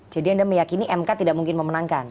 jadi anda meyakini mk tidak mungkin memenangkan